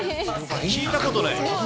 聞いたことない。